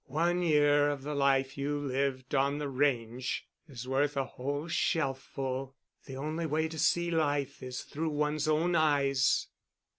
One year of the life you lived on the range is worth a whole shelf ful. The only way to see life is through one's own eyes."